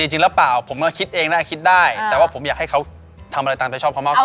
จริงหรือเปล่าผมก็คิดเองได้คิดได้แต่ว่าผมอยากให้เขาทำอะไรตามใจชอบเขามากกว่า